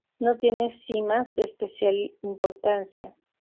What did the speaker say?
No tiene cimas de especial importancia.